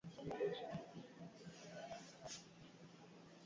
upatikanaji wa dawa uimarikaji wa Biokemia na mapendekezo ya matumizi